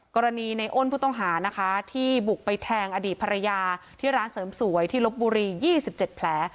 กรณีในอ้นผู้ต้องหานะคะที่บุกไปแทงอดีตภรรยาที่ร้านเสริมสวยที่ลบบุรี๒๗แผล